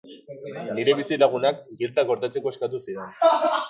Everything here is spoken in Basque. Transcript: Nire bizilagunak giltzak gordetzeko eskatu zidan.